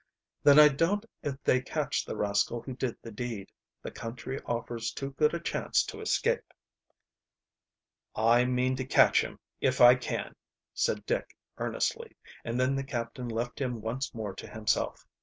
"Then I doubt if they catch the rascal who did the deed. The country offers too good a chance to escape." "I mean to catch him if I can," said Dick earnestly, and then the captain left him once more to himself.